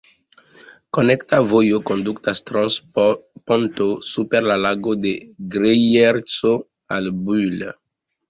Konekta vojo kondukas trans ponto super la Lago de Grejerco al Bulle.